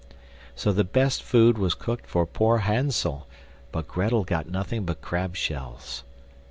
So the best food was cooked for poor Hansel, but Grettel got nothing but crab shells.